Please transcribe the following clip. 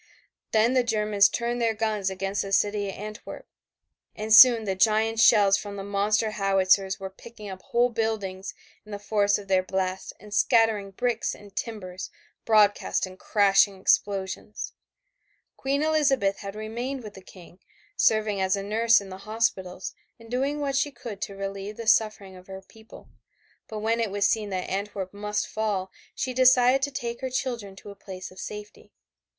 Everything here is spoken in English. Then the Germans turned their guns against the city of Antwerp and soon the giant shells from the monster howitzers were picking up whole buildings in the force of their blast and scattering bricks and timbers broadcast in crashing explosions. Queen Elizabeth had remained with the King, serving as a nurse in the hospitals and doing what she could to relieve the suffering of her people, but when it was seen that Antwerp must fall she decided to take her children to a place of safety.